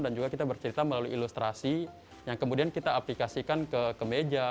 dan juga kita bercerita melalui ilustrasi yang kemudian kita aplikasikan ke meja